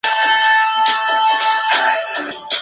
La sede del condado es la ciudad de Tonopah.